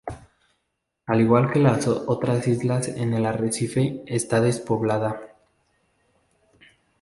Al igual que las otras islas en el arrecife, esta despoblada.